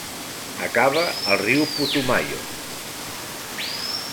Acaba al riu Putumayo.